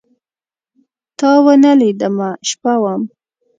تاونه لیدمه، شپه وم